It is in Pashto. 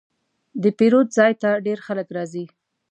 د پیرود ځای ته ډېر خلک راځي.